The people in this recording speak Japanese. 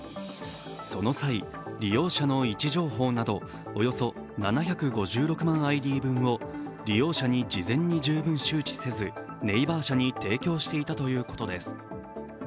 その際、利用者の位置情報などおよそ７５６万ＩＤ分を利用者に事前に十分周知せずＮＡＶＥＲ社に提供していたということです。